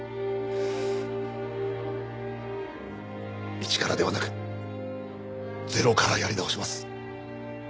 一からではなくゼロからやり直します。